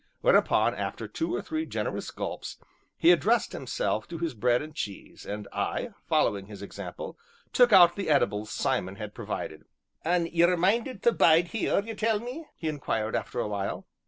Whereupon, after two or three generous gulps, he addressed himself to his bread and cheese, and I, following his example, took out the edibles Simon had provided. "An' ye're minded tae bide here, ye tell me?" he inquired after a while.